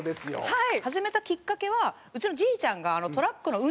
はい。